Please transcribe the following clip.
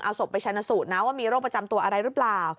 เอาศพไปชนะสูตรนะว่ามีโรคประจำตัวอะไรหรือเปล่า